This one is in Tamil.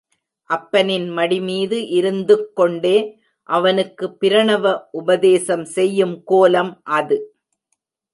அப்பனின் மடிமீது இருந்துக்கொண்டே அவனுக்கு பிரணவ உபதேசம் செய்யும் கோலம் அது.